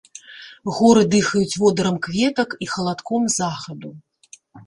Горы дыхаюць водарам кветак і халадком захаду.